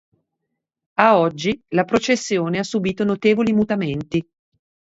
A oggi la processione ha subito notevoli mutamenti.